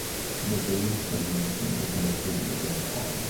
The Village of Mason is located within the town.